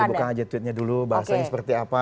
coba dibuka aja tweetnya dulu bahasanya seperti apa